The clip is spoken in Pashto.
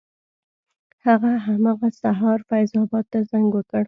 هغه همغه سهار فیض اباد ته زنګ وکړ.